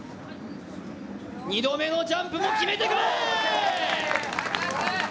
２度目のジャンプも決めてくる。